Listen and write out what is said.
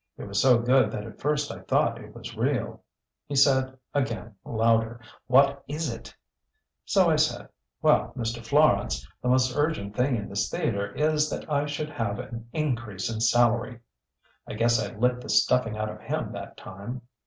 It was so good that at first I thought it was real. He said again louder, 'What is it?' So I said, 'Well, Mr. Florance, the most urgent thing in this theatre is that I should have an increase in salary!' I guess I licked the stuffing out of him that time."